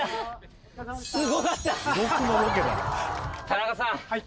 田中さん